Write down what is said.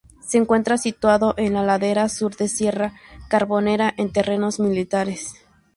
Se encuentra situado en la ladera sur de Sierra Carbonera en terrenos militares.